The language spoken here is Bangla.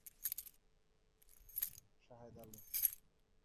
শাহেদ আলী